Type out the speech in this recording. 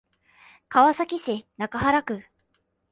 川崎市中原区